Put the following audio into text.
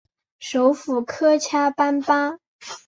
首府科恰班巴。